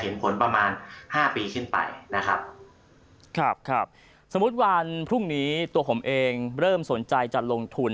นะครับสมมุติวันพรุ่งนี้ตัวผมเองเริ่มสนใจจัดลงทุน